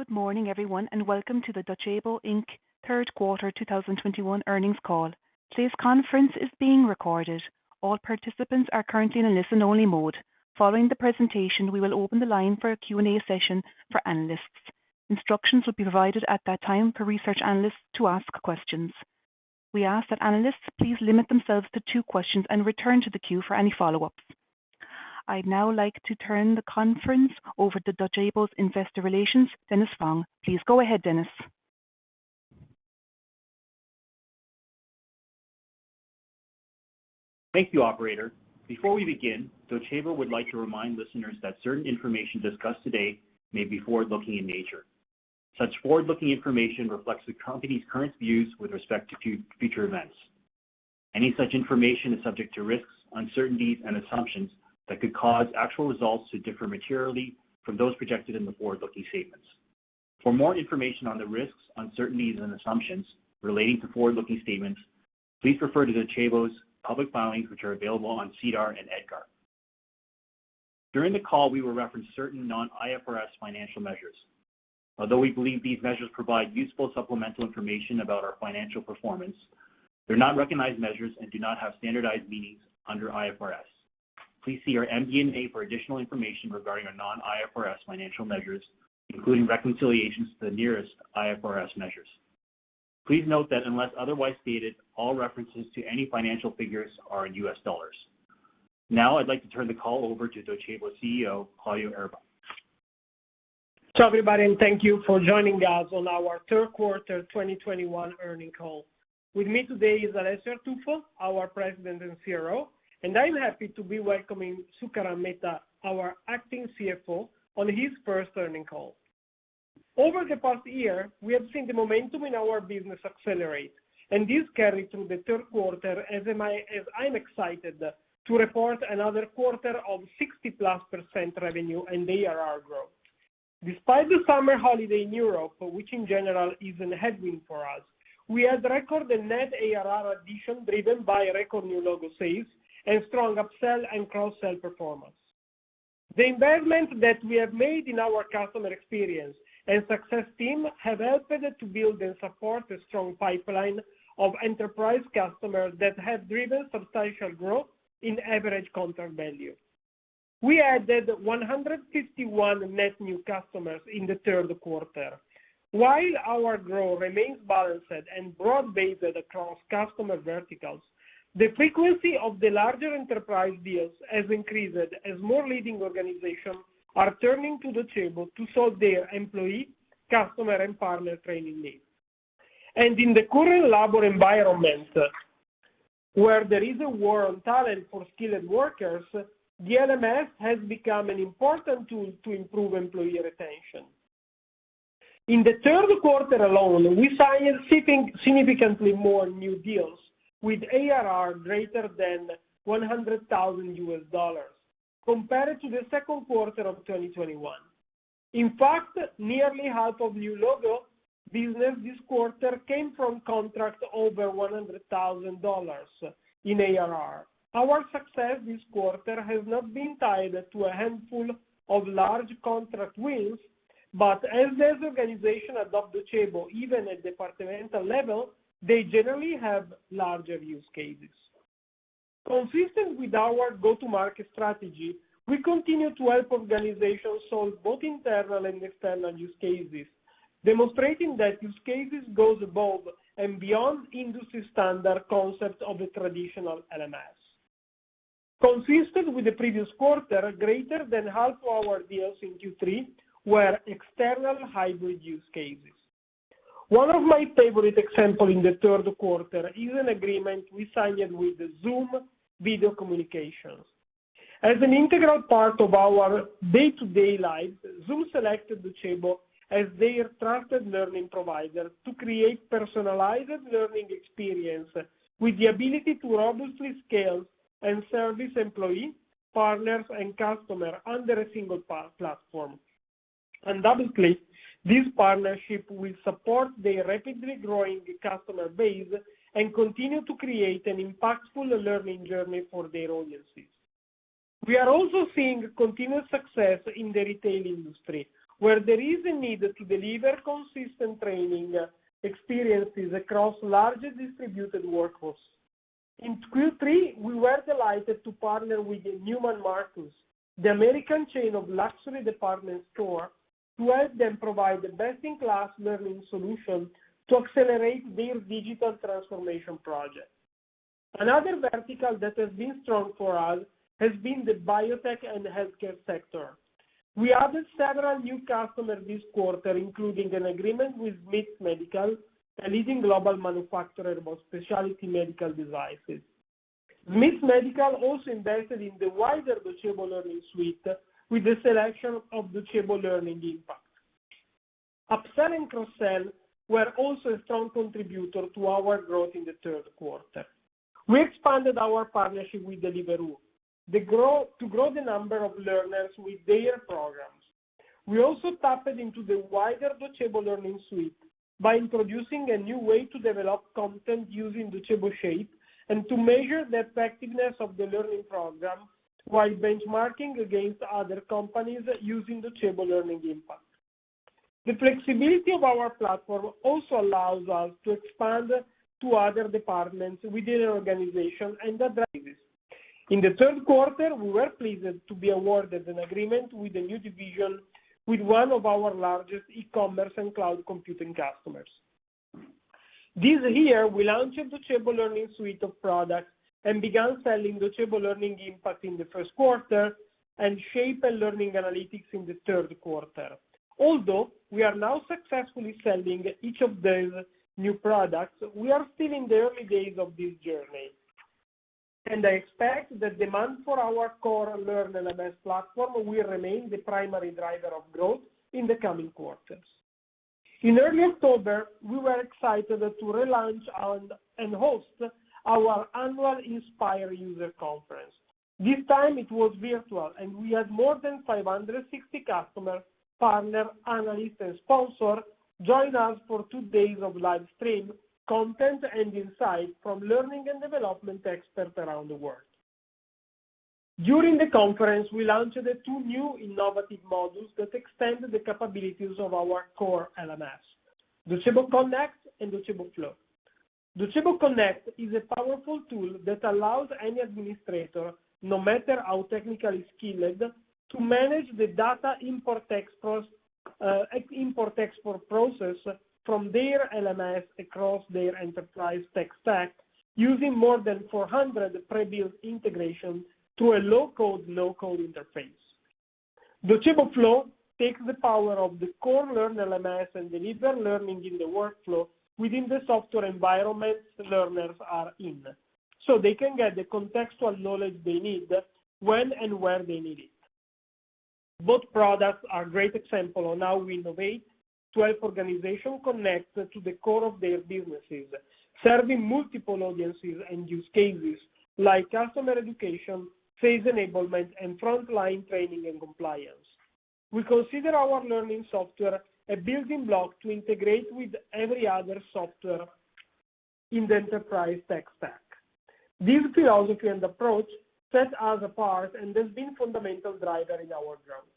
Good morning everyone, and welcome to the Docebo Inc. third quarter 2021 earnings call. Today's conference is being recorded. All participants are currently in a listen-only mode. Following the presentation, we will open the line for a Q&A session for analysts. Instructions will be provided at that time for research analysts to ask questions. We ask that analysts please limit themselves to two questions and return to the queue for any follow-ups. I'd now like to turn the conference over to Docebo's Investor Relations, Dennis Fong. Please go ahead, Dennis. Thank you, operator. Before we begin, Docebo would like to remind listeners that certain information discussed today may be forward-looking in nature. Such forward-looking information reflects the company's current views with respect to future events. Any such information is subject to risks, uncertainties, and assumptions that could cause actual results to differ materially from those projected in the forward-looking statements. For more information on the risks, uncertainties, and assumptions relating to forward-looking statements, please refer to Docebo's public filings, which are available on SEDAR and EDGAR. During the call, we will reference certain non-IFRS financial measures. Although we believe these measures provide useful supplemental information about our financial performance, they're not recognized measures and do not have standardized meanings under IFRS. Please see our MD&A for additional information regarding our non-IFRS financial measures, including reconciliations to the nearest IFRS measures. Please note that unless otherwise stated, all references to any financial figures are in US dollars. Now I'd like to turn the call over to Docebo CEO, Claudio Erba. Everybody, thank you for joining us on our third quarter 2021 earnings call. With me today is Alessio Artuffo, our President and CRO, and I'm happy to be welcoming Sukaran Mehta, our acting CFO, on his first earnings call. Over the past year, we have seen the momentum in our business accelerate, and this carried through the third quarter as I'm excited to report another quarter of 60%+ revenue and ARR growth. Despite the summer holiday in Europe, which in general is a headwind for us, we have recorded net ARR addition driven by record new logo sales and strong upsell and cross-sell performance. The investment that we have made in our customer experience and success team have helped to build and support a strong pipeline of enterprise customers that have driven substantial growth in average contract value. We added 151 net new customers in the third quarter. While our growth remains balanced and broad-based across customer verticals, the frequency of the larger enterprise deals has increased as more leading organizations are turning to Docebo to solve their employee, customer, and partner training needs. In the current labor environment, where there is a war on talent for skilled workers, the LMS has become an important tool to improve employee retention. In the third quarter alone, we signed significantly more new deals with ARR greater than $100,000 compared to the second quarter of 2021. In fact, nearly half of new logo business this quarter came from contracts over $100,000 in ARR. Our success this quarter has not been tied to a handful of large contract wins, but as these organizations adopt Docebo, even at departmental level, they generally have larger use cases. Consistent with our go-to-market strategy, we continue to help organizations solve both internal and external use cases, demonstrating that use cases goes above and beyond industry standard concepts of the traditional LMS. Consistent with the previous quarter, greater than half our deals in Q3 were external hybrid use cases. One of my favorite example in the third quarter is an agreement we signed with Zoom Video Communications. As an integral part of our day-to-day life, Zoom selected Docebo as their trusted learning provider to create personalized learning experience with the ability to robustly scale and service employees, partners, and customers under a single platform. [Doubly], this partnership will support their rapidly growing customer base and continue to create an impactful learning journey for their audiences. We are also seeing continued success in the retail industry, where there is a need to deliver consistent training experiences across larger distributed workforce. In Q3, we were delighted to partner with Neiman Marcus, the American chain of luxury department store, to help them provide the best-in-class learning solution to accelerate their digital transformation project. Another vertical that has been strong for us has been the biotech and healthcare sector. We added several new customers this quarter, including an agreement with Smiths Medical, a leading global manufacturer of specialty medical devices. Smiths Medical also invested in the wider Docebo Learning Suite with the selection of Docebo Learning Impact. Upsell and cross-sell were also a strong contributor to our growth in the third quarter. We expanded our partnership with Deliveroo to grow the number of learners with their programs. We also tapped into the wider Docebo Learning Suite by introducing a new way to develop content using Docebo Shape and to measure the effectiveness of the learning program while benchmarking against other companies using Docebo Learning Impact. The flexibility of our platform also allows us to expand to other departments within an organization and address this. In the third quarter, we were pleased to be awarded an agreement with a new division with one of our largest e-commerce and cloud computing customers. This year, we launched the Docebo Learning Suite of products and began selling Docebo Learning Impact in the first quarter and Shape and Learning Analytics in the third quarter. Although we are now successfully selling each of those new products, we are still in the early days of this journey, and I expect the demand for our core Docebo Learn LMS platform will remain the primary driver of growth in the coming quarters. In early October, we were excited to relaunch and host our annual Inspire user conference. This time it was virtual, and we had more than 560 customers, partners, analysts, and sponsors join us for two days of live stream content and insight from learning and development experts around the world. During the conference, we launched the two new innovative modules that extend the capabilities of our core LMS, Docebo Connect and Docebo Flow. Docebo Connect is a powerful tool that allows any administrator, no matter how technically skilled, to manage the data import, export process from their LMS across their enterprise tech stack using more than 400 pre-built integrations to a low-code, no-code interface. Docebo Flow takes the power of the core Learn LMS and delivers learning in the workflow within the software environments learners are in, so they can get the contextual knowledge they need when and where they need it. Both products are great example on how we innovate to help organizations connect to the core of their businesses, serving multiple audiences and use cases like customer education, sales enablement, and frontline training and compliance. We consider our learning software a building block to integrate with every other software in the enterprise tech stack. This philosophy and approach sets us apart and has been fundamental driver in our growth.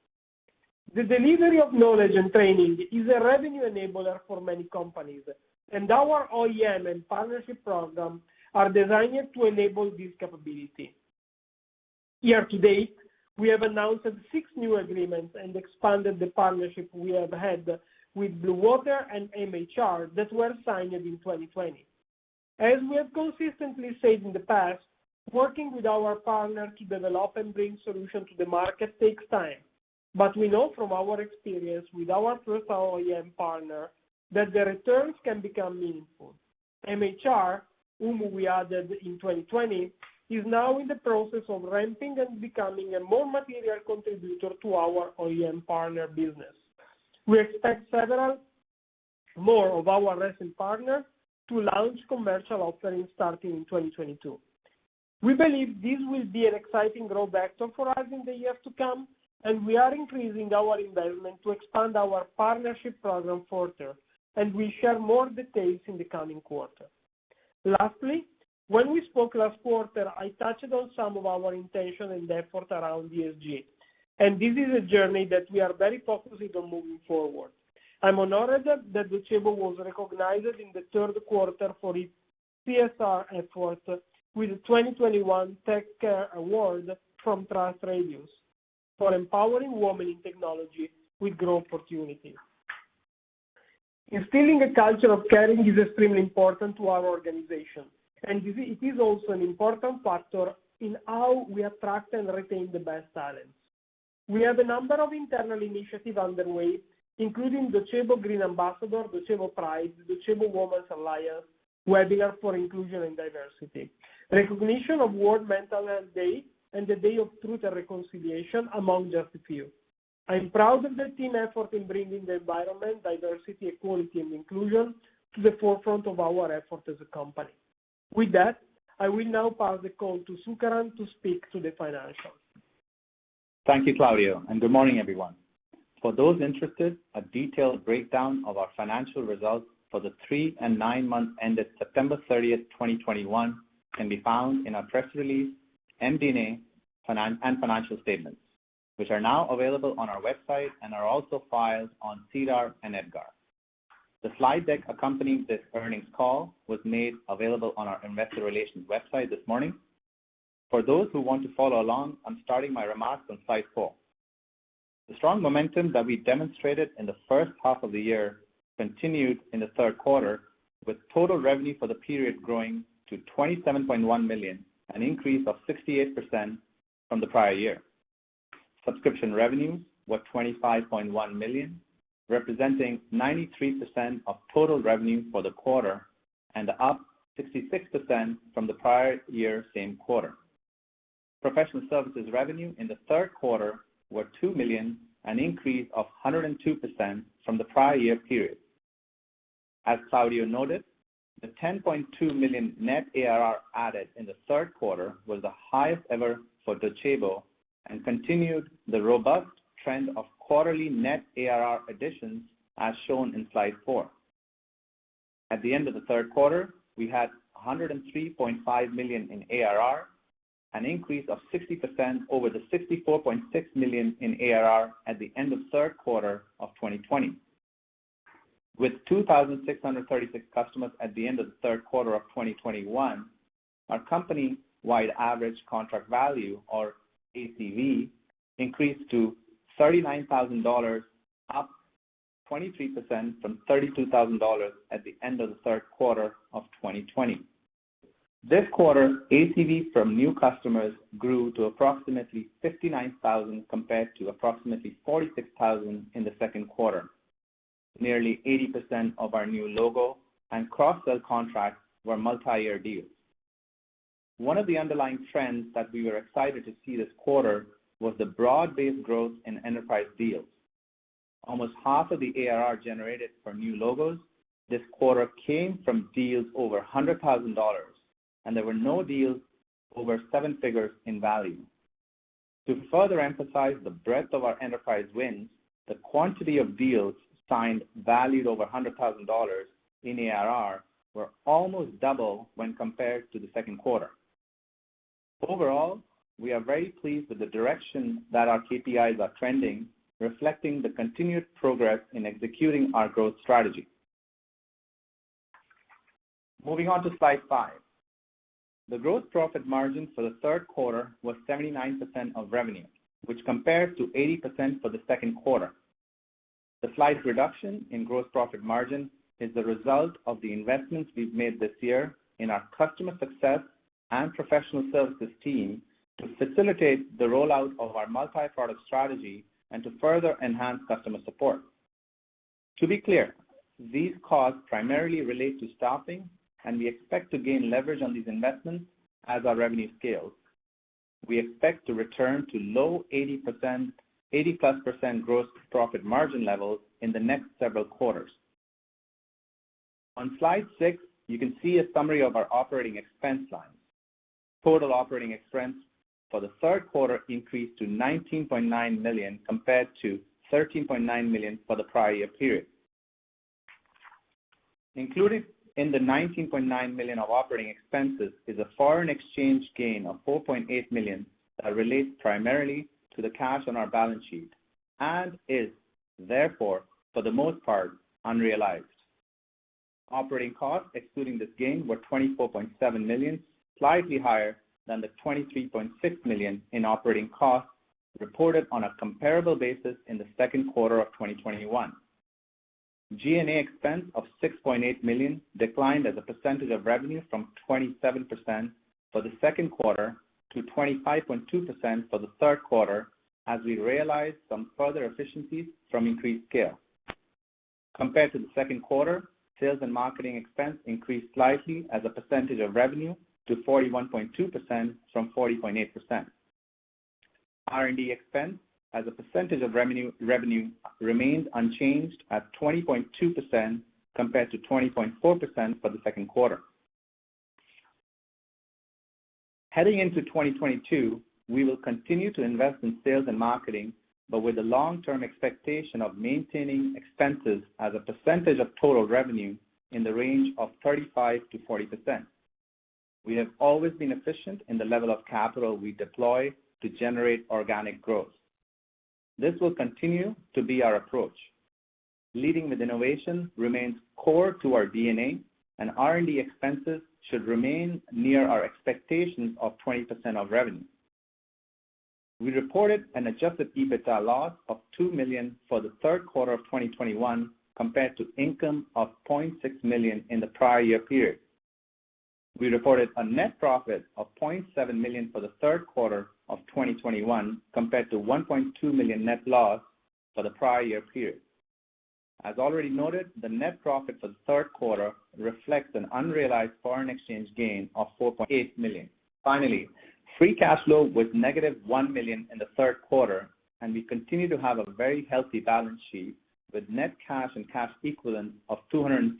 The delivery of knowledge and training is a revenue enabler for many companies, and our OEM and partnership program are designed to enable this capability. Year to date, we have announced six new agreements and expanded the partnership we have had with Bluewater and MHR that were signed in 2020. As we have consistently said in the past, working with our partners to develop and bring solutions to the market takes time, but we know from our experience with our first OEM partner that the returns can become meaningful. MHR, whom we added in 2020, is now in the process of ramping and becoming a more material contributor to our OEM partner business. We expect several more of our recent partners to launch commercial offerings starting in 2022. We believe this will be an exciting growth vector for us in the years to come, and we are increasing our investment to expand our partnership program further, and we share more details in the coming quarter. Lastly, when we spoke last quarter, I touched on some of our intention and effort around ESG, and this is a journey that we are very focused on moving forward. I'm honored that Docebo was recognized in the third quarter for its CSR efforts with the 2021 Tech Cares Award from TrustRadius for empowering women in technology with growth opportunities. Instilling a culture of caring is extremely important to our organization, and it is also an important factor in how we attract and retain the best talent. We have a number of internal initiatives underway, including Docebo Green Ambassador, Docebo Pride, Docebo Women's Alliance, webinars for inclusion and diversity, recognition of World Mental Health Day, and the Day of Truth and Reconciliation, among just a few. I'm proud of the team effort in bringing the environment, diversity, equality, and inclusion to the forefront of our effort as a company. With that, I will now pass the call to Sukaran to speak to the financials. Thank you, Claudio, and good morning, everyone. For those interested, a detailed breakdown of our financial results for the three and nine months ended September 30, 2021 can be found in our press release, MD&A, and financial statements, which are now available on our website and are also filed on SEDAR and EDGAR. The slide deck accompanying this earnings call was made available on our investor relations website this morning. For those who want to follow along, I'm starting my remarks on slide four. The strong momentum that we demonstrated in the first half of the year continued in the third quarter, with total revenue for the period growing to $27.1 million, an increase of 68% from the prior year. Subscription revenues were $25.1 million, representing 93% of total revenue for the quarter and up 66% from the prior year same quarter. Professional services revenue in the third quarter were $2 million, an increase of 102% from the prior year period. As Claudio noted, the $10.2 million net ARR added in the third quarter was the highest ever for Docebo and continued the robust trend of quarterly net ARR additions, as shown in slide four. At the end of the third quarter, we had $103.5 million in ARR, an increase of 60% over the $64.6 million in ARR at the end of third quarter of 2020. With 2,636 customers at the end of the third quarter of 2021, our company-wide average contract value, or ACV, increased to $39,000, up 23% from $32,000 at the end of the third quarter of 2020. This quarter, ACV from new customers grew to approximately $59,000, compared to approximately $46,000 in the second quarter. Nearly 80% of our new logo and cross-sell contracts were multi-year deals. One of the underlying trends that we were excited to see this quarter was the broad-based growth in enterprise deals. Almost half of the ARR generated for new logos this quarter came from deals over $100,000, and there were no deals over seven figures in value. To further emphasize the breadth of our enterprise wins, the quantity of deals signed valued over $100,000 in ARR was almost double when compared to the second quarter. Overall, we are very pleased with the direction that our KPIs are trending, reflecting the continued progress in executing our growth strategy. Moving on to slide five. The gross profit margin for the third quarter was 79% of revenue, which compares to 80% for the second quarter. The slight reduction in gross profit margin is the result of the investments we've made this year in our customer success and professional services team to facilitate the rollout of our multi-product strategy and to further enhance customer support. To be clear, these costs primarily relate to staffing, and we expect to gain leverage on these investments as our revenue scales. We expect to return to low 80% – 80%+ growth profit margin levels in the next several quarters. On slide six, you can see a summary of our operating expense lines. Total operating expense for the third quarter increased to $19.9 million compared to $13.9 million for the prior year period. Included in the $19.9 million of operating expenses is a foreign exchange gain of $4.8 million that relates primarily to the cash on our balance sheet and is therefore, for the most part, unrealized. Operating costs, excluding this gain, were $24.7 million, slightly higher than the $23.6 million in operating costs reported on a comparable basis in the second quarter of 2021. G&A expense of $6.8 million declined as a percentage of revenue from 27% for the second quarter to 25.2% for the third quarter as we realized some further efficiencies from increased scale. Compared to the second quarter, sales and marketing expense increased slightly as a percentage of revenue to 41.2% from 40.8%. R&D expense as a percentage of revenue remains unchanged at 20.2% compared to 20.4% for the second quarter. Heading into 2022, we will continue to invest in sales and marketing, but with the long-term expectation of maintaining expenses as a percentage of total revenue in the range of 35%-40%. We have always been efficient in the level of capital we deploy to generate organic growth. This will continue to be our approach. Leading with innovation remains core to our DNA and R&D expenses should remain near our expectations of 20% of revenue. We reported an adjusted EBITDA loss of $2 million for the third quarter of 2021 compared to income of $0.6 million in the prior year period. We reported a net profit of $0.7 million for the third quarter of 2021 compared to $1.2 million net loss for the prior year period. As already noted, the net profit for the third quarter reflects an unrealized foreign exchange gain of $4.8 million. Finally, free cash flow was -$1 million in the third quarter, and we continue to have a very healthy balance sheet with net cash and cash equivalent of $216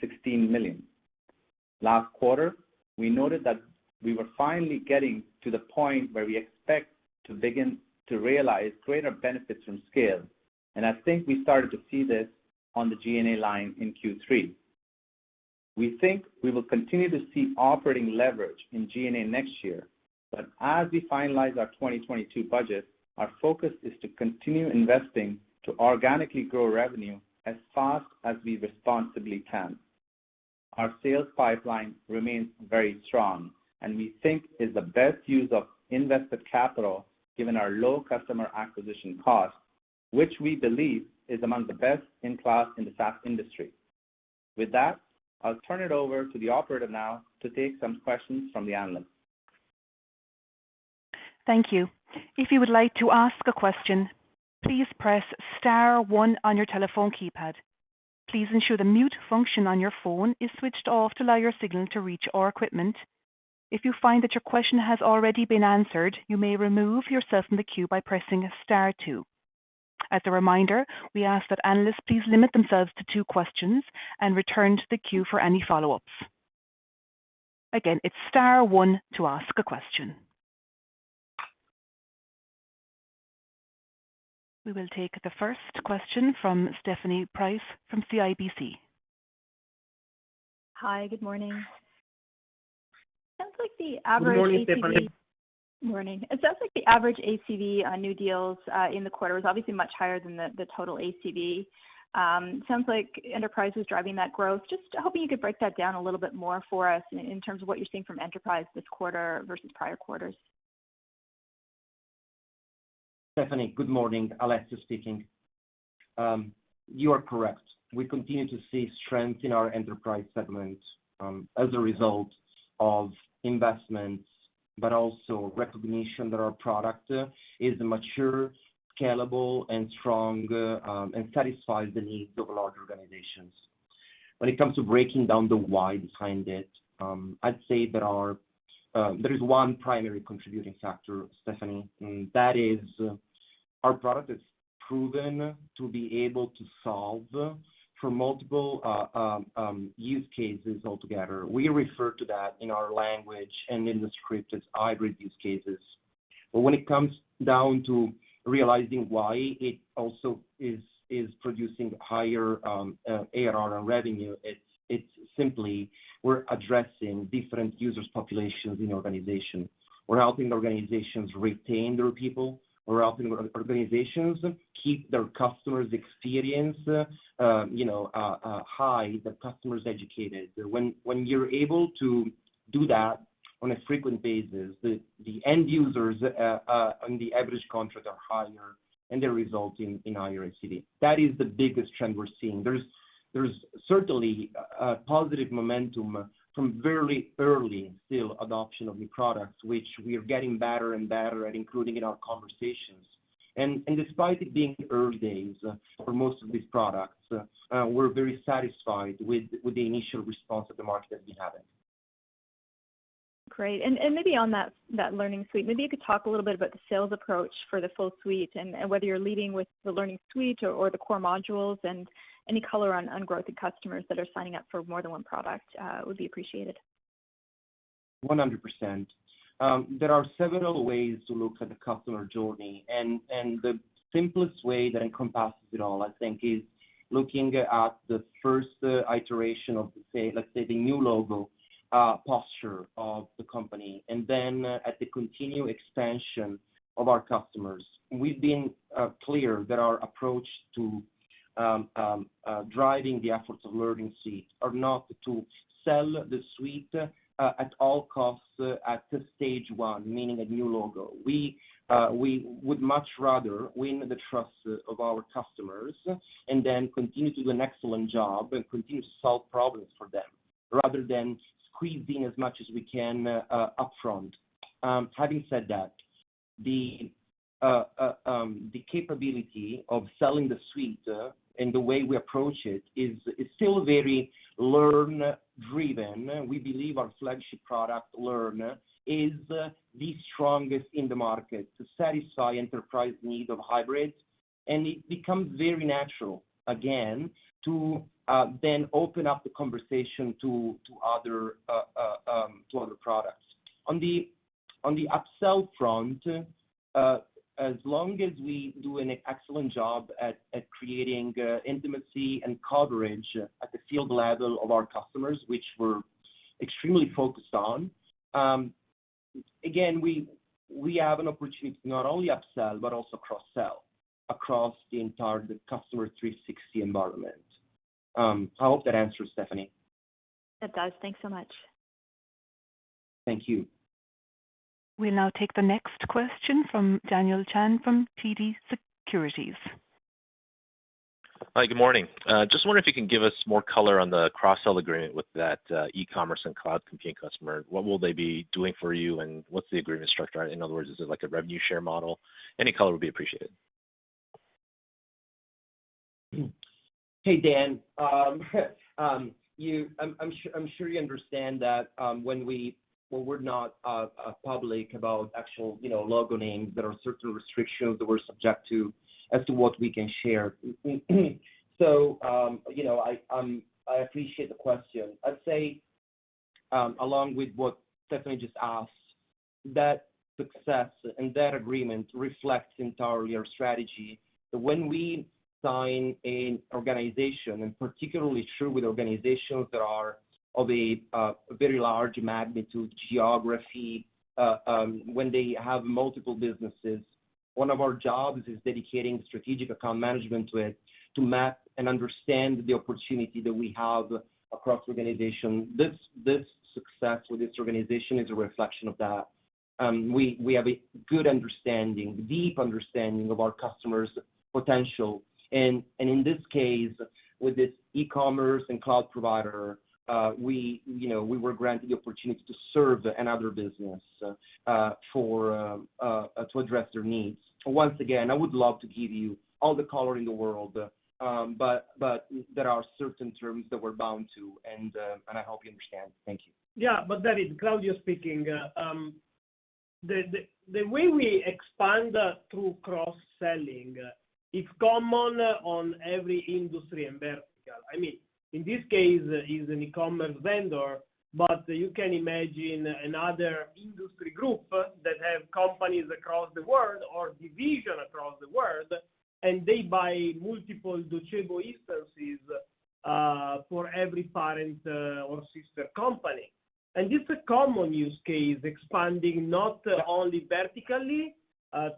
million. Last quarter, we noted that we were finally getting to the point where we expect to begin to realize greater benefits from scale, and I think we started to see this on the G&A line in Q3. We think we will continue to see operating leverage in G&A next year, but as we finalize our 2022 budget, our focus is to continue investing to organically grow revenue as fast as we responsibly can. Our sales pipeline remains very strong and we think is the best use of invested capital given our low customer acquisition cost, which we believe is among the best in class in the SaaS industry. With that, I'll turn it over to the operator now to take some questions from the analysts. Thank you. If you would like to ask a question, please press star one on your telephone keypad. Please ensure the mute function on your phone is switched off to allow your signal to reach our equipment. If you find that your question has already been answered, you may remove yourself from the queue by pressing star two. As a reminder, we ask that analysts please limit themselves to two questions and return to the queue for any follow-ups. Again, it's star one to ask a question. We will take the first question from Stephanie Price from CIBC. Hi, good morning. Good morning, Stephanie. Sounds like the average ACV on new deals in the quarter was obviously much higher than the total ACV. Sounds like enterprise was driving that growth. Just hoping you could break that down a little bit more for us in terms of what you're seeing from enterprise this quarter versus prior quarters? Stephanie, good morning. Alessio speaking. You are correct. We continue to see strength in our enterprise segment, as a result of investments, but also recognition that our product is mature, scalable and strong, and satisfies the needs of large organizations. When it comes to breaking down the why behind it, I'd say that there is one primary contributing factor, Stephanie, and that is our product is proven to be able to solve for multiple use cases altogether. We refer to that in our language and in the script as hybrid use cases. When it comes down to realizing why it also is producing higher ARR on revenue, it's simply we're addressing different user populations in organizations. We're helping organizations retain their people. We're helping organizations keep their customers' experience high, the customers educated. When you're able to do that on a frequent basis, the end users on the average contract are higher, and they're resulting in higher ACV. That is the biggest trend we're seeing. There's certainly a positive momentum from very early still adoption of new products, which we are getting better and better at including in our conversations. Despite it being early days for most of these products, we're very satisfied with the initial response of the market that we're having. Great. Maybe on that Learning Suite, maybe you could talk a little bit about the sales approach for the full suite and whether you're leading with the Learning Suite or the core modules, and any color on growth in customers that are signing up for more than one product would be appreciated? 100%. There are several ways to look at the customer journey and the simplest way that encompasses it all, I think, is looking at the first iteration of let's say the new logo posture of the company, and then at the continued expansion of our customers. We've been clear that our approach to driving the efforts of Learning Suite are not to sell the suite at all costs at stage one, meaning a new logo. We would much rather win the trust of our customers and then continue to do an excellent job and continue to solve problems for them rather than squeezing as much as we can upfront. Having said that, the capability of selling the suite and the way we approach it is still very Learn driven. We believe our flagship product, Learn, is the strongest in the market to satisfy enterprise needs of hybrids, and it becomes very natural again to then open up the conversation to other products. On the upsell front, as long as we do an excellent job at creating intimacy and coverage at the field level of our customers, which we're extremely focused on, again, we have an opportunity to not only upsell but also cross-sell across the entire customer 360 environment. I hope that answers, Stephanie. It does. Thanks so much. Thank you. We'll now take the next question from Daniel Chan from TD Securities. Hi, good morning. Just wonder if you can give us more color on the cross-sell agreement with that, e-commerce and cloud computing customer. What will they be doing for you, and what's the agreement structure? In other words, is it like a revenue share model? Any color would be appreciated? Hey, Dan. I'm sure you understand that, when we're not public about actual, you know, logo names, there are certain restrictions that we're subject to as to what we can share. You know, I appreciate the question. I'd say, along with what Stephanie just asked, that success and that agreement reflects entirely our strategy. When we sign an organization, and particularly true with organizations that are of a very large magnitude geography, when they have multiple businesses, one of our jobs is dedicating strategic account management to it to map and understand the opportunity that we have across the organization. This success with this organization is a reflection of that. We have a good understanding, deep understanding of our customer's potential. In this case, with this e-commerce and cloud provider, we, you know, we were granted the opportunity to serve another business to address their needs. Once again, I would love to give you all the color in the world, but there are certain terms that we're bound to, and I hope you understand. Thank you. Yeah. That is Claudio speaking. The way we expand through cross-selling, it's common on every industry and vertical. I mean, in this case, he's an e-commerce vendor, but you can imagine another industry group that have companies across the world or division across the world, and they buy multiple Docebo instances for every parent or sister company. It's a common use case expanding not only vertically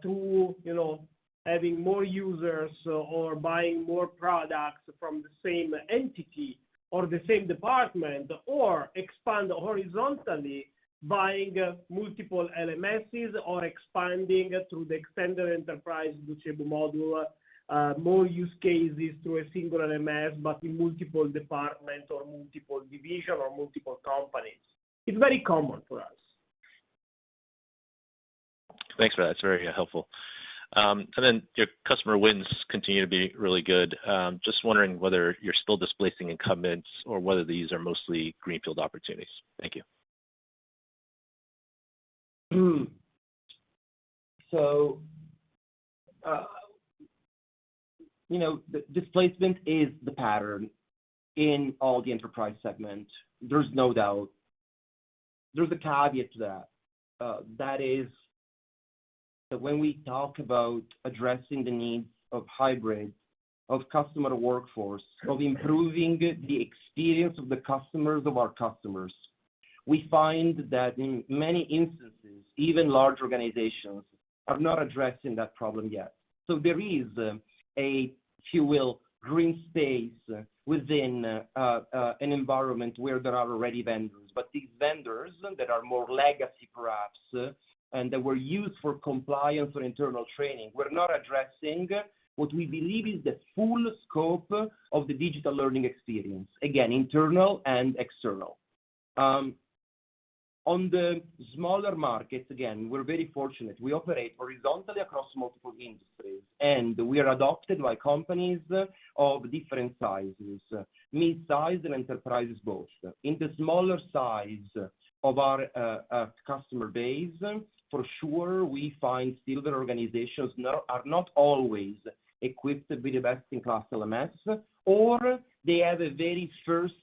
to having more users or buying more products from the same entity or the same department, or expand horizontally buying multiple LMSs or expanding through the extended enterprise Docebo module, more use cases through a single LMS, but in multiple departments or multiple divisions or multiple companies. It's very common for us. Thanks for that. It's very helpful. Your customer wins continue to be really good. Just wondering whether you're still displacing incumbents or whether these are mostly greenfield opportunities? Thank you. You know, displacement is the pattern in all the enterprise segment. There's no doubt. There's a caveat to that. That is that when we talk about addressing the needs of hybrid, of customer workforce, of improving the experience of the customers of our customers, we find that in many instances, even large organizations are not addressing that problem yet. There is a, if you will, green space within, an environment where there are already vendors. These vendors that are more legacy perhaps, and that were used for compliance or internal training, were not addressing what we believe is the full scope of the digital learning experience, again, internal and external. On the smaller markets, again, we're very fortunate. We operate horizontally across multiple industries, and we are adopted by companies of different sizes, mid-size and enterprises both. In the smaller size of our customer base, for sure, we find still the organizations are not always equipped with the best-in-class LMS, or they have a very first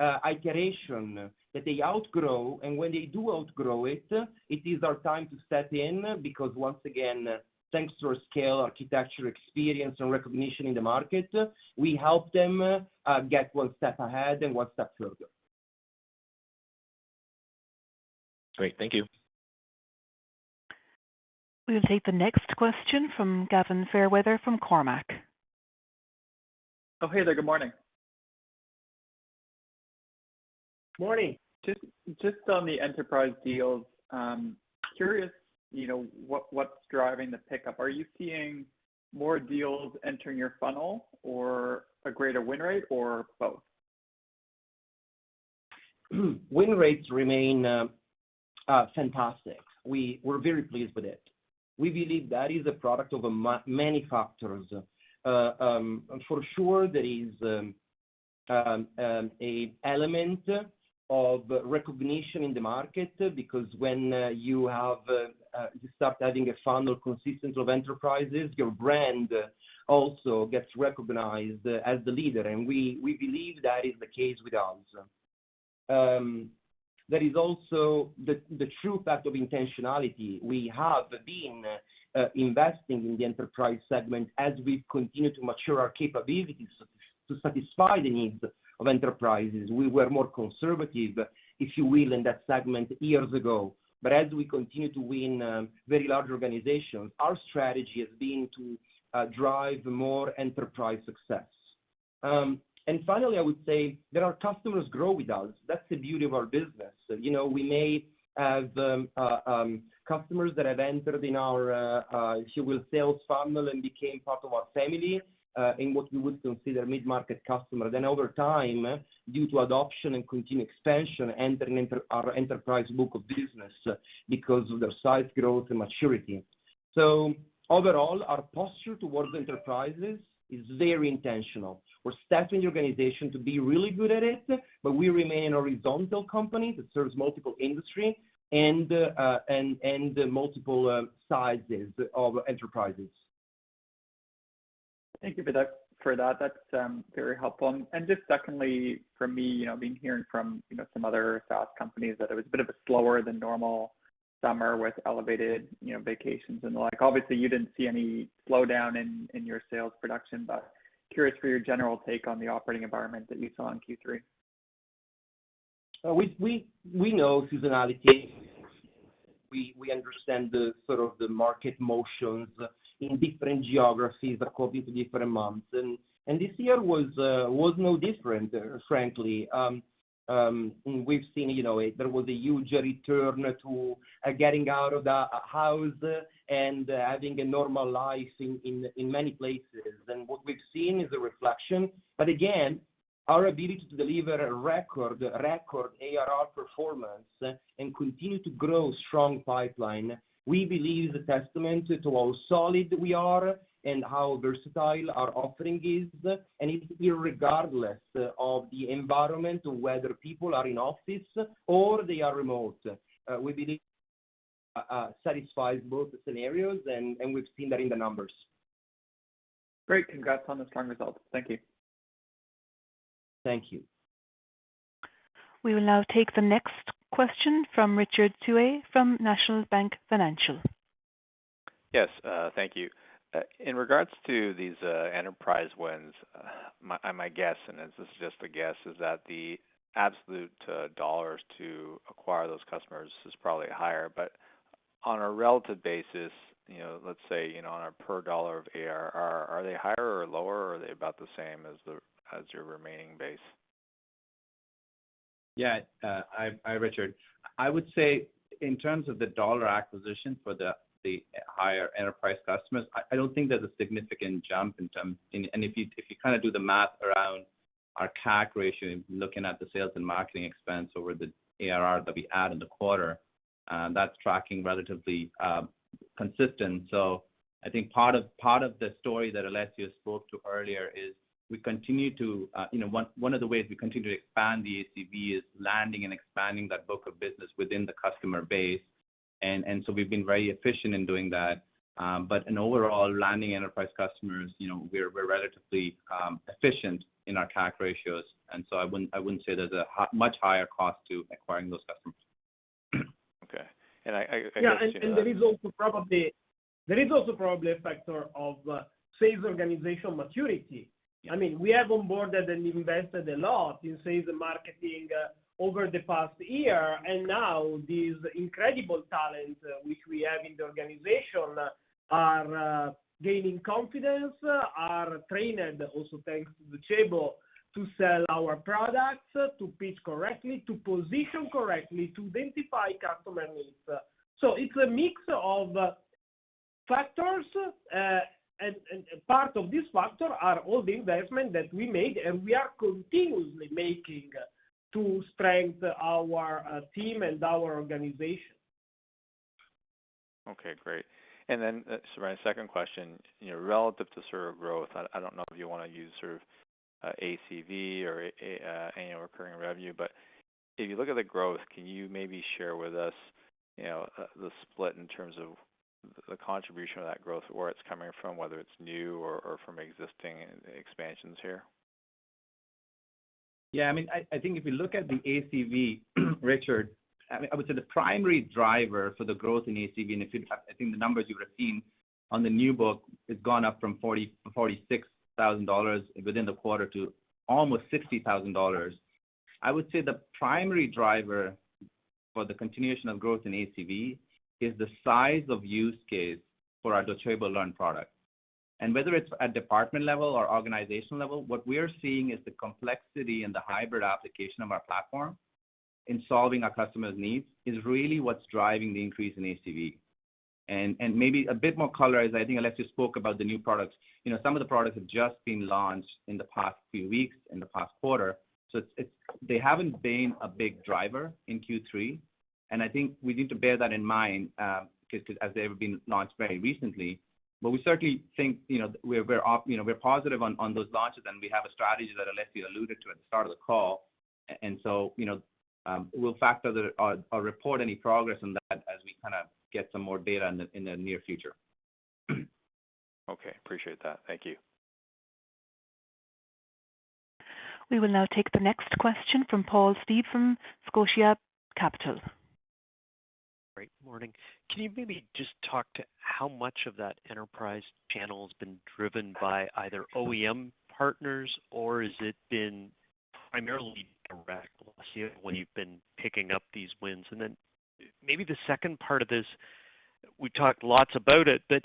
iteration that they outgrow. When they do outgrow it is our time to step in because once again, thanks to our scale, architecture, experience and recognition in the market, we help them get one step ahead and one step further. Great. Thank you. We'll take the next question from Gavin Fairweather from Cormark. Oh, hey there. Good morning. Morning. Just on the enterprise deals, curious, you know, what's driving the pickup? Are you seeing more deals entering your funnel or a greater win rate or both? Win rates remain fantastic. We're very pleased with it. We believe that is a product of many factors. For sure there is an element of recognition in the market because when you start having a funnel consisting of enterprises, your brand also gets recognized as the leader, and we believe that is the case with ours. There is also the true fact of intentionality. We have been investing in the enterprise segment as we continue to mature our capabilities to satisfy the needs of enterprises. We were more conservative, if you will, in that segment years ago. As we continue to win very large organizations, our strategy has been to drive more enterprise success. Finally, I would say that our customers grow with us. That's the beauty of our business. You know, we may have customers that have entered in our, if you will, sales funnel and became part of our family, in what we would consider mid-market customers. Over time, due to adoption and continued expansion, enter in our enterprise book of business because of their size, growth and maturity. Overall, our posture towards enterprises is very intentional. We're staffing the organization to be really good at it, but we remain a horizontal company that serves multiple industry and multiple sizes of enterprises. Thank you for that. That's very helpful. Just secondly for me, you know, having heard from, you know, some other SaaS companies that it was a bit of a slower than normal summer with elevated, you know, vacations and the like. Obviously, you didn't see any slowdown in your sales production, but curious for your general take on the operating environment that you saw in Q3? We know seasonality. We understand the sort of the market motions in different geographies according to different months. This year was no different, frankly. We've seen, you know, there was a huge return to getting out of the house and having a normal life in many places. What we've seen is a reflection. Again, our ability to deliver a record ARR performance and continue to grow strong pipeline, we believe is a testament to how solid we are and how versatile our offering is. It's irregardless of the environment, whether people are in office or they are remote. We believe satisfies both scenarios, and we've seen that in the numbers. Great. Congrats on the strong results. Thank you. Thank you. We will now take the next question from Richard Tse from National Bank Financial. Yes, thank you. In regards to these enterprise wins, my guess, and this is just a guess, is that the absolute dollars to acquire those customers is probably higher. But on a relative basis, you know, let's say, you know, on a per dollar of ARR, are they higher or lower, or are they about the same as your remaining base? Yeah. Hi Richard. I would say in terms of the dollar acquisition for the higher enterprise customers, I don't think there's a significant jump in terms. If you kind of do the math around our CAC ratio, looking at the sales and marketing expense over the ARR that we add in the quarter, that's tracking relatively consistent. So I think part of the story that Alessio spoke to earlier is we continue to one of the ways we continue to expand the ACV is landing and expanding that book of business within the customer base. So we've been very efficient in doing that. In overall landing enterprise customers, you know, we're relatively efficient in our CAC ratios, and so I wouldn't say there's a much higher cost to acquiring those customers. Okay. Yeah, there is also probably a factor of sales organization maturity. I mean, we have onboarded and invested a lot in sales and marketing over the past year. Now these incredible talent which we have in the organization are gaining confidence, are trained, and also thanks to the enablement to sell our products, to pitch correctly, to position correctly, to identify customer needs. It's a mix of factors. Part of this factor are all the investment that we made, and we are continuously making to strengthen our team and our organization. Okay, great. Sorry, second question. You know, relative to sort of growth, I don't know if you want to use sort of ACV or a annual recurring revenue. But if you look at the growth, can you maybe share with us, you know, the split in terms of the contribution of that growth, where it's coming from, whether it's new or from existing expansions here? Yeah. I mean, I think if you look at the ACV, Richard, I mean, I would say the primary driver for the growth in ACV. I think the numbers you've seen on the new logos, it's gone up from $46,000 within the quarter to almost $60,000. I would say the primary driver for the continuation of growth in ACV is the size of use case for our Docebo Learn product. Maybe a bit more color, as I think Alessio spoke about the new products. You know, some of the products have just been launched in the past few weeks, in the past quarter, so they haven't been a big driver in Q3, and I think we need to bear that in mind, 'cause as they've been launched very recently. We certainly think, you know, we're positive on those launches, and we have a strategy that Alessio alluded to at the start of the call, and we'll factor or report any progress on that as we kind of get some more data in the near future. Okay. Appreciate that. Thank you. We will now take the next question from Paul Steep from Scotia Capital. Good morning. Can you maybe just talk to how much of that enterprise channel has been driven by either OEM partners, or has it been primarily direct, Alessio, when you've been picking up these wins? Maybe the second part of this, we talked lots about it, but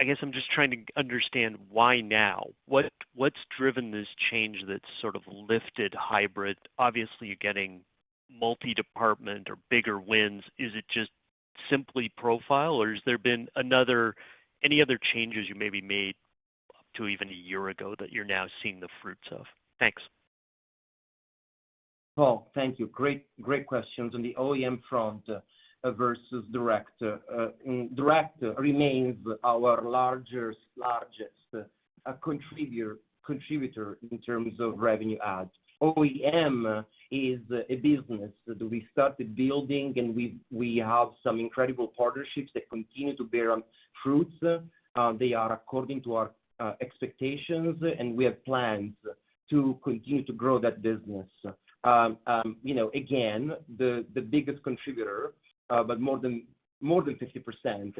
I guess I'm just trying to understand why now. What's driven this change that's sort of lifted hybrid? Obviously, you're getting multi-department or bigger wins. Is it just simply profile, or has there been any other changes you maybe made up to even a year ago that you're now seeing the fruits of? Thanks. Paul, thank you. Great questions. On the OEM front versus direct remains our largest contributor in terms of revenue add. OEM is a business that we started building, and we have some incredible partnerships that continue to bear fruit. They are according to our expectations, and we have plans to continue to grow that business. You know, again, the biggest contributor, but more than 50%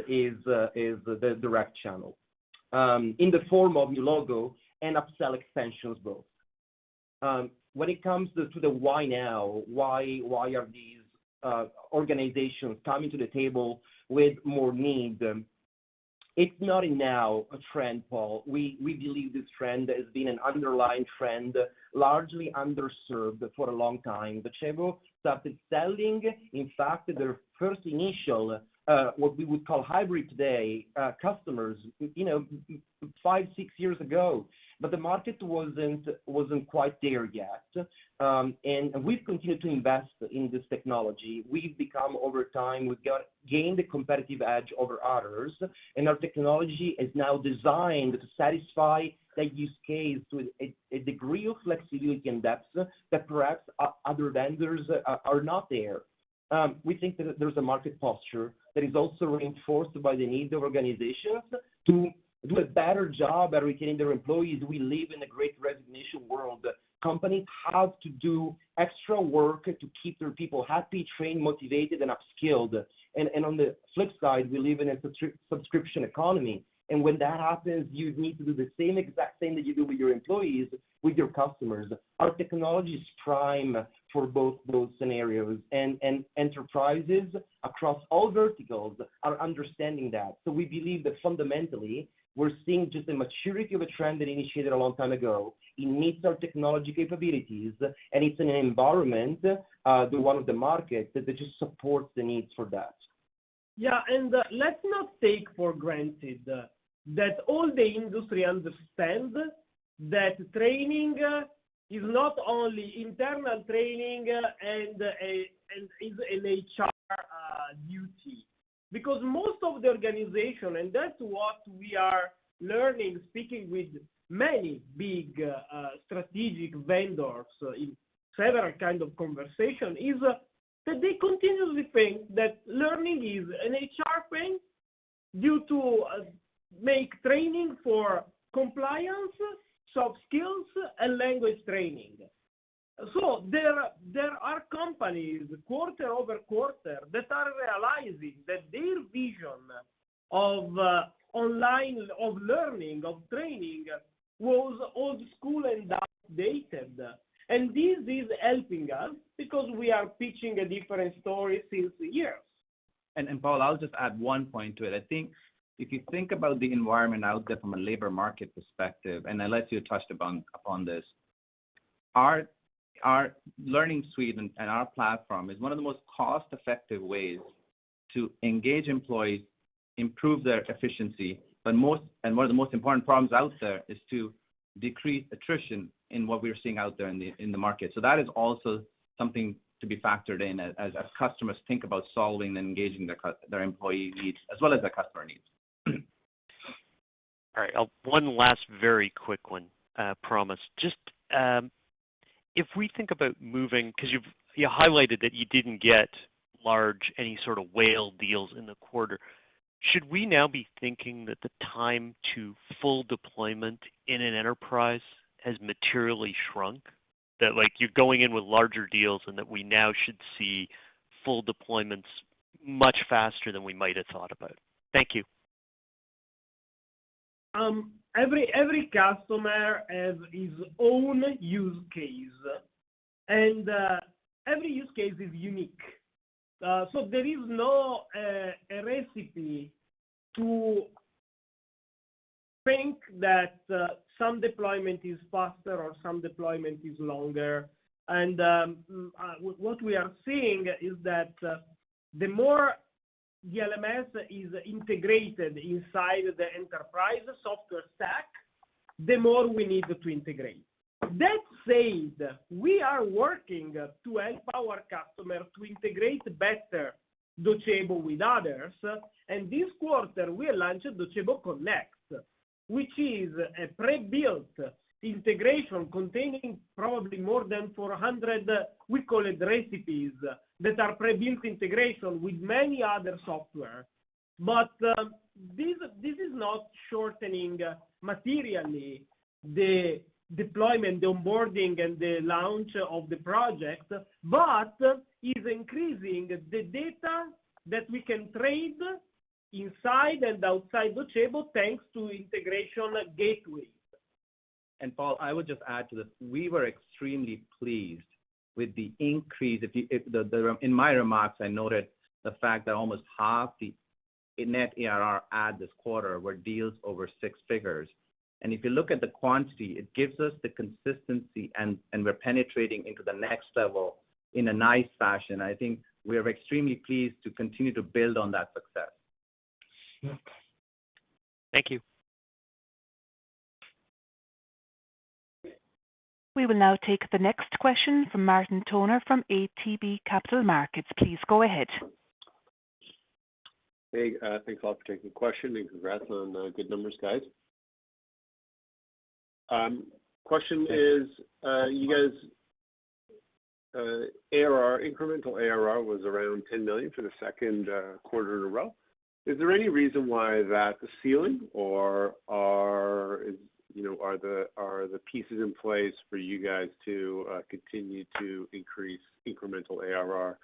is the direct channel, in the form of new logo and upsell extensions both. When it comes to the why now, why are these organizations coming to the table with more need? It's not a new trend, Paul. We believe this trend has been an underlying trend, largely underserved for a long time. Docebo started selling, in fact, their first initial what we would call hybrid today customers five, six years ago. The market wasn't quite there yet. We've continued to invest in this technology. We've become over time gained a competitive edge over others, and our technology is now designed to satisfy that use case with a degree of flexibility and depth that perhaps other vendors are not there. We think that there's a market posture that is also reinforced by the need of organizations to do a better job at retaining their employees. We live in a Great Resignation world. Companies have to do extra work to keep their people happy, trained, motivated, and upskilled. On the flip side, we live in a subscription economy. When that happens, you need to do the same exact thing that you do with your employees, with your customers. Our technology is prime for both those scenarios, and enterprises across all verticals are understanding that. We believe that fundamentally we're seeing just a maturity of a trend that initiated a long time ago. It meets our technology capabilities, and it's in an environment, the one with the market that just supports the needs for that. Yeah. Let's not take for granted that all the industry understands that training is not only internal training and is an HR duty. Because most of the organization, and that's what we are learning, speaking with many big strategic vendors in several kind of conversation, is that they continuously think that learning is an HR thing due to make training for compliance, soft skills, and language training. There are companies quarter-over-quarter that are realizing that their vision of online, of learning, of training was old school and outdated. This is helping us because we are pitching a different story since years. Paul, I'll just add one point to it. I think if you think about the environment out there from a labor market perspective, and Alessio touched upon this. Our learning suite and our platform is one of the most cost-effective ways to engage employees, improve their efficiency, but one of the most important problems out there is to decrease attrition in what we're seeing out there in the market. That is also something to be factored in as customers think about solving and engaging their employee needs as well as their customer needs. All right. One last very quick one, promise. Just, if we think about moving. Because you've highlighted that you didn't get any large sort of whale deals in the quarter. Should we now be thinking that the time to full deployment in an enterprise has materially shrunk? That like you're going in with larger deals and that we now should see full deployments much faster than we might have thought about? Thank you. Every customer has his own use case, and every use case is unique. There is no, a recipe to think that some deployment is faster or some deployment is longer. What we are seeing is that the more the LMS is integrated inside the enterprise software stack, the more we need to integrate. That said, we are working to help our customers to integrate better Docebo with others. This quarter, we launched Docebo Connect, which is a pre-built integration containing probably more than 400, we call it, recipes that are pre-built integration with many other software. This is not shortening materially the deployment, the onboarding, and the launch of the project, but is increasing the data that we can trade inside and outside Docebo, thanks to integration gateways. Paul, I would just add to that. We were extremely pleased with the increase. In my remarks, I noted the fact that almost half the net ARR add this quarter were deals over six figures. If you look at the quantity, it gives us the consistency and we're penetrating into the next level in a nice fashion. I think we're extremely pleased to continue to build on that success. Thank you. We will now take the next question from Martin Toner from ATB Capital Markets. Please go ahead. Hey, thanks a lot for taking the question, and congrats on the good numbers, guys. Question is, you guys' ARR, incremental ARR was around $10 million for the second quarter in a row. Is there any reason why that's the ceiling or, you know, are the pieces in place for you guys to continue to increase incremental ARR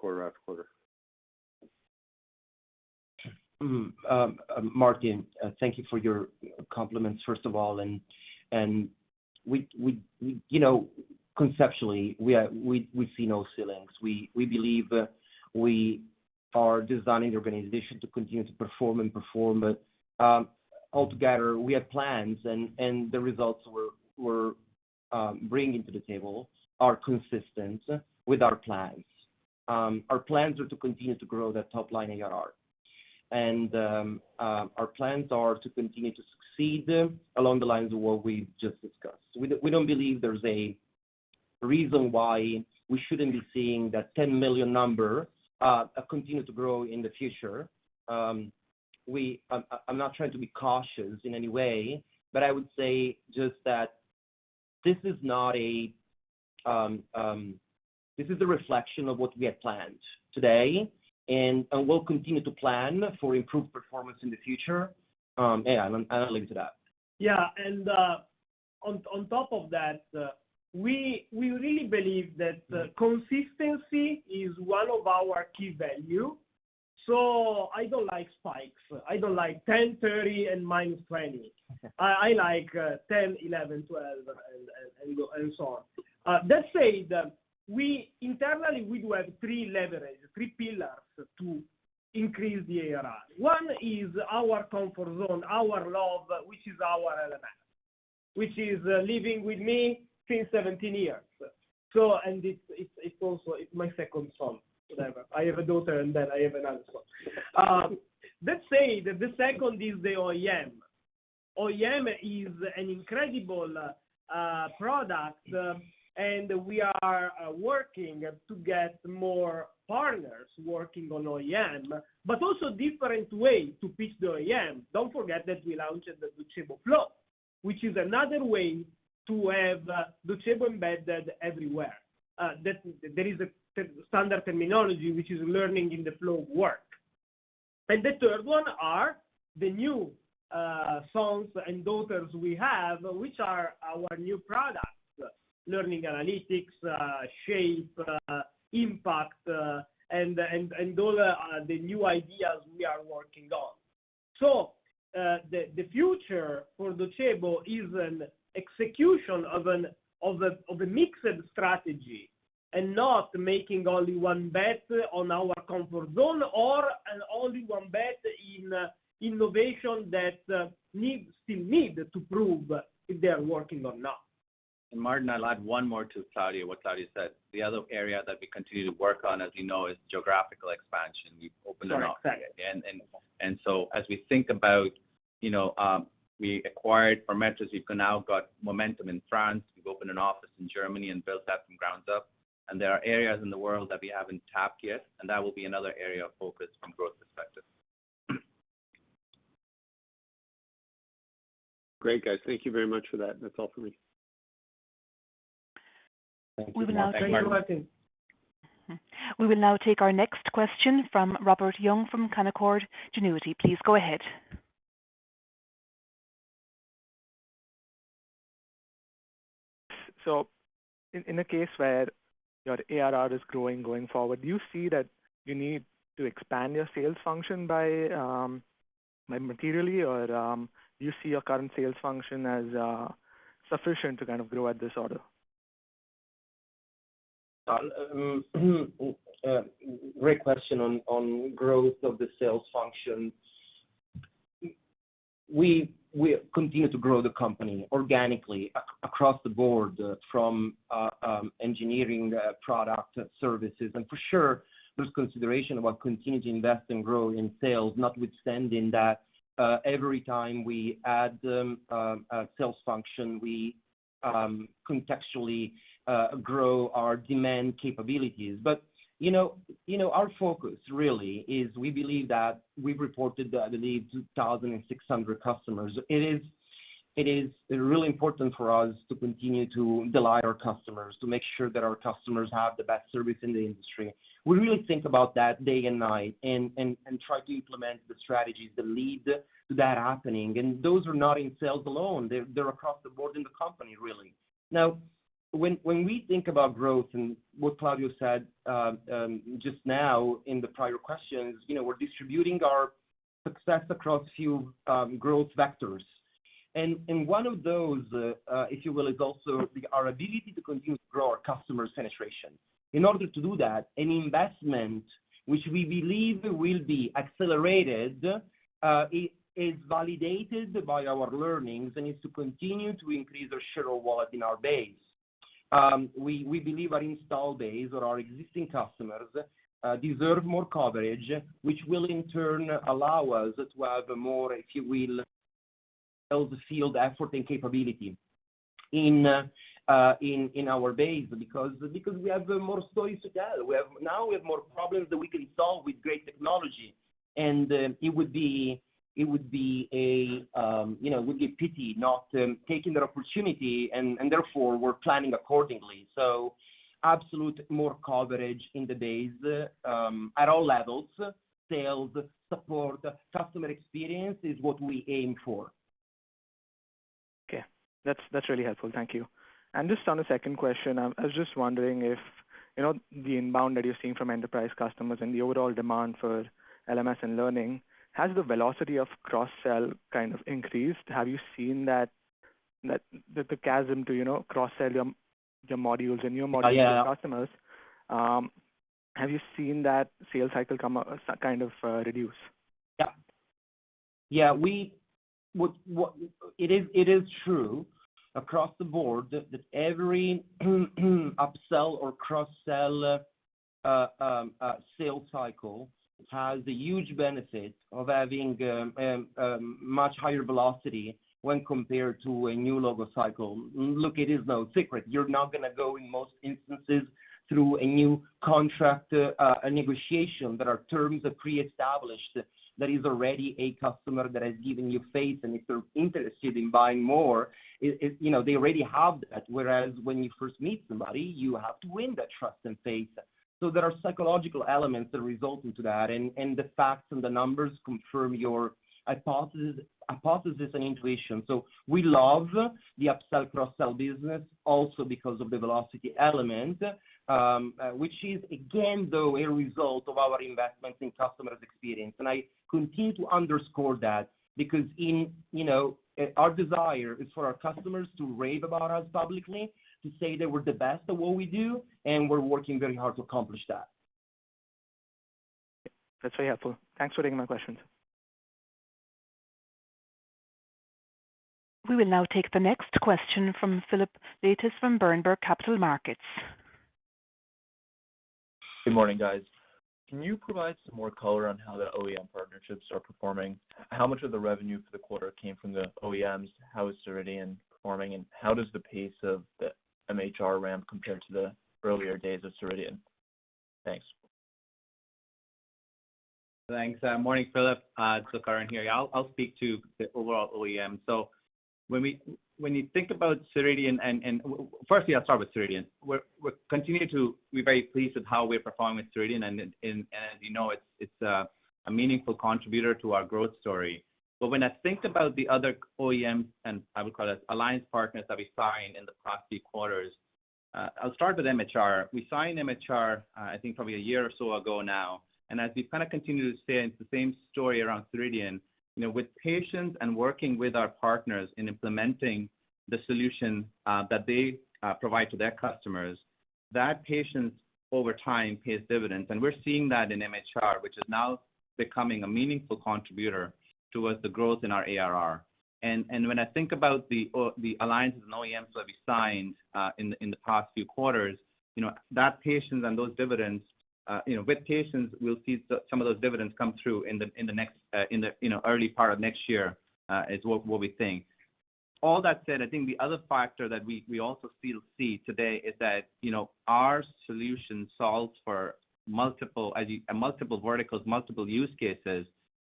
quarter after quarter? Martin, thank you for your compliments first of all. We, you know, conceptually, we see no ceilings. We believe we are designing the organization to continue to perform. Altogether, we have plans and the results we're bringing to the table are consistent with our plans. Our plans are to continue to grow that top line ARR. Our plans are to continue to succeed along the lines of what we've just discussed. We don't believe there's a reason why we shouldn't be seeing that 10 million number continue to grow in the future. I'm not trying to be cautious in any way, but I would say just that. This is not a- This is a reflection of what we have planned today, and we'll continue to plan for improved performance in the future. Yeah, and I'll leave it at that. On top of that, we really believe that consistency is one of our key value. I don't like spikes. I don't like 10-30% and -20%. I like 10%, 11%, 12%, and so on. Let's say that internally we do have three pillars to increase the ARR. One is our comfort zone, our love, which is our LMS, which is living with me since 17 years. It's also my second son. Whatever. I have a daughter, and then I have another son. Let's say that the second is the OEM. OEM is an incredible product, and we are working to get more partners working on OEM, but also different way to pitch the OEM. Don't forget that we launched the Docebo Flow, which is another way to have Docebo embedded everywhere. That there is a standard terminology which is learning in the flow of work. The third one are the new sons and daughters we have, which are our new products, Learning Analytics, Shape, Impact, and those are the new ideas we are working on. The future for Docebo is an execution of a mixed strategy and not making only one bet on our comfort zone or an only one bet in innovation that still needs to prove if they are working or not. Martin, I'll add one more to Claudio, what Claudio said. The other area that we continue to work on, as you know, is geographical expansion. We've opened an office- Correct. As we think about, you know, we acquired forMetris, we've now got momentum in France. We've opened an office in Germany and built that from ground up. There are areas in the world that we haven't tapped yet, and that will be another area of focus from growth perspective. Great, guys. Thank you very much for that. That's all for me. Thank you, Martin. You're welcome. We will now take our next question from Robert Young from Canaccord Genuity. Please go ahead. In a case where your ARR is growing going forward, do you see that you need to expand your sales function by like materially or do you see your current sales function as sufficient to kind of grow at this order? Great question on growth of the sales function. We continue to grow the company organically across the board, from engineering, product services. For sure, there's consideration about continuing to invest and grow in sales, notwithstanding that every time we add a sales function, we contextually grow our demand capabilities. You know, our focus really is we believe that we've reported, I believe, 2,600 customers. It is really important for us to continue to delight our customers, to make sure that our customers have the best service in the industry. We really think about that day and night and try to implement the strategies that lead to that happening. Those are not in sales alone. They're across the board in the company really. Now when we think about growth and what Claudio said just now in the prior questions, you know, we're distributing our success across few growth vectors. One of those, if you will, is also our ability to continue to grow our customer penetration. In order to do that, an investment which we believe will be accelerated is validated by our learnings and is to continue to increase our share of wallet in our base. We believe our installed base or our existing customers deserve more coverage, which will in turn allow us to have a more, if you will, sales field effort and capability in our base because we have more stories to tell. We have more problems that we can solve with great technology. It would be a pity not taking that opportunity and therefore we're planning accordingly. Absolutely more coverage in the base at all levels, sales, support, customer experience is what we aim for. Okay. That's really helpful. Thank you. Just on a second question, I was just wondering if, you know, the inbound that you're seeing from enterprise customers and the overall demand for LMS and learning, has the velocity of cross-sell kind of increased? Have you seen that the chasm to, you know, cross-sell your modules? Oh, yeah. to your customers, have you seen that sales cycle come kind of reduce? It is true across the board that every upsell or cross-sell sales cycle has the huge benefit of having much higher velocity when compared to a new logo cycle. Look, it is no secret. You're now gonna go in most instances through a new contract negotiation that the terms are pre-established, that is already a customer that has given you faith. If they're interested in buying more, you know, they already have that. Whereas when you first meet somebody, you have to win that trust and faith. There are psychological elements that result into that, and the facts and the numbers confirm your hypothesis and intuition. We love the upsell, cross-sell business also because of the velocity element, which is again, though, a result of our investments in customers' experience. I continue to underscore that because, you know, our desire is for our customers to rave about us publicly, to say that we're the best at what we do, and we're working very hard to accomplish that. That's very helpful. Thanks for taking my questions. We will now take the next question from Phillip Leytes from Berenberg Capital Markets. Good morning, guys. Can you provide some more color on how the OEM partnerships are performing? How much of the revenue for the quarter came from the OEMs? How is Ceridian performing, and how does the pace of the MHR ramp compare to the earlier days of Ceridian? Thanks. Thanks. Morning, Phillip. It's Sukaran here. I'll speak to the overall OEM. When you think about Ceridian, first, I'll start with Ceridian. We're continuing to be very pleased with how we're performing with Ceridian, and as you know, it's a meaningful contributor to our growth story. When I think about the other OEM, and I would call it alliance partners that we signed in the past few quarters, I'll start with MHR. We signed MHR, I think probably a year or so ago now. As we kind of continue to stay in the same story around Ceridian, you know, with patience and working with our partners in implementing the solution that they provide to their customers, that patience over time pays dividends. We're seeing that in MHR, which is now becoming a meaningful contributor towards the growth in our ARR. When I think about the alliances and OEMs that we signed in the past few quarters, you know, that patience and those dividends, you know, with patience, we'll see some of those dividends come through in the next, you know, early part of next year is what we think. All that said, I think the other factor that we also still see today is that, you know, our solution solves for multiple verticals, multiple use cases.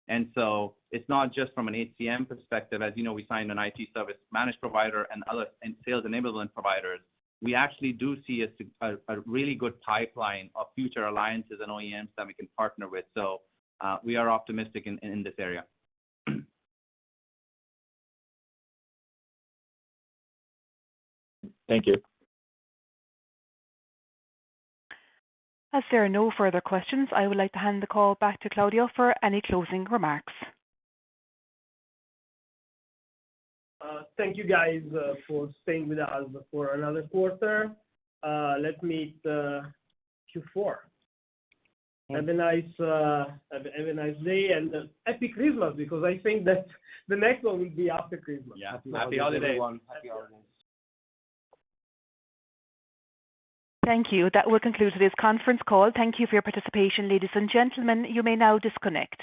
It's not just from an HCM perspective. As you know, we signed an IT service managed provider and other sales enablement providers. We actually do see a really good pipeline of future alliances and OEMs that we can partner with. We are optimistic in this area. Thank you. As there are no further questions, I would like to hand the call back to Claudio for any closing remarks. Thank you guys for staying with us for another quarter. Let's meet Q4. Yeah. Have a nice day and happy Christmas because I think that the next one will be after Christmas. Yeah. Happy holidays, everyone. Happy holidays. Thank you. That will conclude today's conference call. Thank you for your participation, ladies and gentlemen. You may now disconnect.